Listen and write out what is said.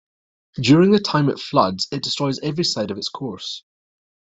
During the time it floods, it destroys every side of its course.